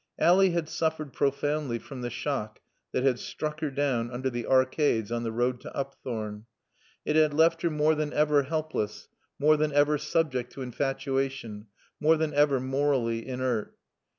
Ally had suffered profoundly from the shock that had struck her down under the arcades on the road to Upthorne. It had left her more than ever helpless, more than ever subject to infatuation, more than ever morally inert.